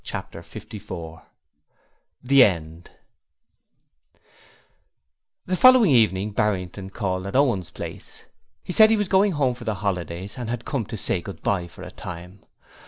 Chapter 54 The End The following evening Barrington called at Owen's place. He said he was going home for the holidays and had come to say goodbye for a time.